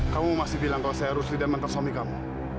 kamu masih bilang kalau saya rusli dan mantan suami kamu